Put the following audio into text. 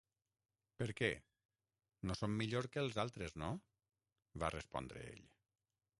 "Per què? No som millors que els altres, no?" va respondre ell.